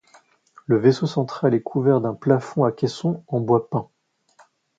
Le vaisseau central est couvert d'un plafond à caissons en bois peint.